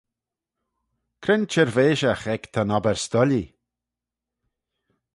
Cre'n çhirveishagh ec ta'n obbyr s'doillee?